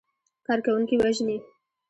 کارکوونکي وژني.